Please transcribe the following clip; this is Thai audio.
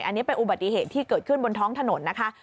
อันนี้เป็นอุบัติเหตุที่เกิดขึ้นบนท้องถนนนะคะ